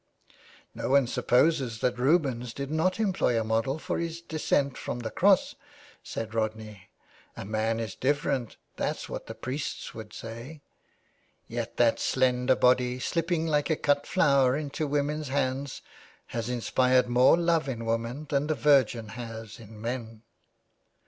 "No one supposes that Rubens did not employ a model for his descent from the Cross," said Rodney. " A man is different, that's what the priests would say." " Yet, that slender body, slipping like a cut flower into women's hands, has inspired more love in woman than the Virgin has in men."